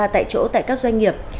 ba tại chỗ tại các doanh nghiệp